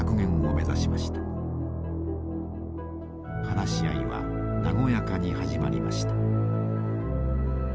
話し合いは和やかに始まりました。